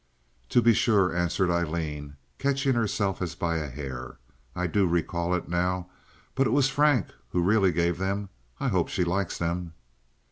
"To be sure," answered Aileen, catching herself as by a hair. "I do recall it now. But it was Frank who really gave them. I hope she likes them."